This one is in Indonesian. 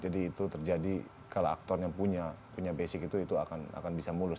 jadi itu terjadi kalau aktor yang punya basic itu akan bisa mulus